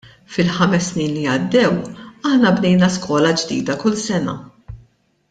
Fil-ħames snin li għaddew aħna bnejna skola ġdida kull sena.